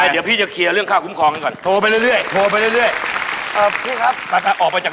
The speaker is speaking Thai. ไปเดี๋ยวพี่จะเคลียร์เรื่องค่าคุ้มครองกันก่อน